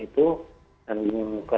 antara percaya dan tidak percaya